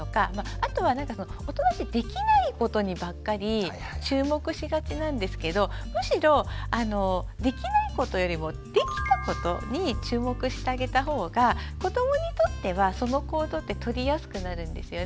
あとは大人ってできないことにばっかり注目しがちなんですけどむしろできないことよりもできたことに注目してあげたほうが子どもにとってはその行動ってとりやすくなるんですよね。